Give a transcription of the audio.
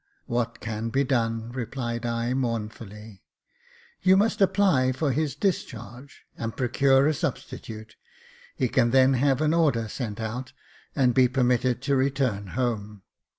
" What can be done ?" replied I, mournfully. You must apply for his discharge, and procure a substitute. He can then have an order sent out, and be permitted to return home.